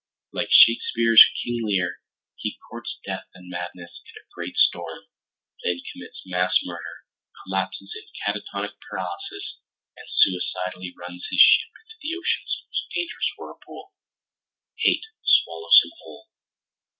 Like Shakespeare's King Lear he courts death and madness in a great storm, then commits mass murder, collapses in catatonic paralysis, and suicidally runs his ship into the ocean's most dangerous whirlpool. Hate swallows him whole.